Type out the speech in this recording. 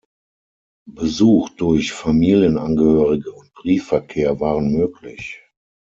Besuch durch Familienangehörige und Briefverkehr waren möglich.